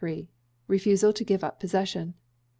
Refusal to Give up Possession.